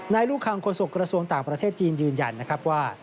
ลูกคังโฆษกระทรวงต่างประเทศจีนยืนยันนะครับว่า